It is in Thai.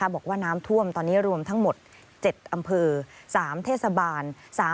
บอกว่าน้ำท่วมตอนนี้รวมทั้งหมด๗อำเภอ๓เทศบาล